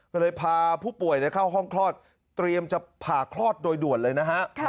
ก็เลยพาผู้ป่วยเข้าห้องคลอดเตรียมจะผ่าคลอดโดยด่วนเลยนะฮะ